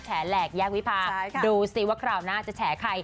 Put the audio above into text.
แชร์แหลกแยกวิภาดูสิว่าคราวหน้าจะแชร์ใคร